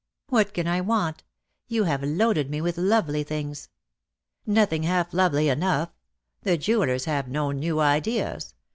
"What can I want? You have loaded me with lovely things." "Nothing half lovely enough. The jewellers have no new ideas.